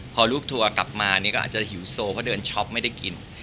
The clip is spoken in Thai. พอทดต่อกลับมาที่นี่ก็อาจจะหิวโซ่เพราะเดินช้อปไม่ได้กิน